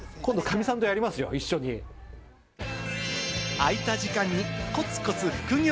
空いた時間にコツコツ副業。